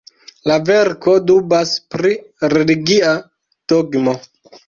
La verko dubas pri religia dogmo.